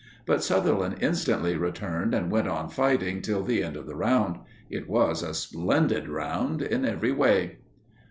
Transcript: But Sutherland instantly returned and went on fighting till the end of the round. It was a splendid round in every way.